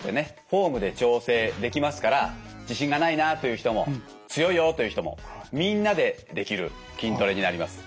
フォームで調整できますから「自信がないな」という人も「強いよ」という人もみんなでできる筋トレになります。